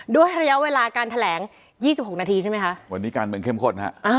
ด้วยระยะเวลาการแถลงยี่สิบหกนาทีใช่ไหมคะวันนี้การเป็นเข้มข้นค่ะอ้อ